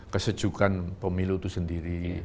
kesejukan pemilu itu sendiri